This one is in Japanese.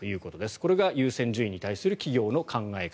これが優先順位に関する企業の考え方。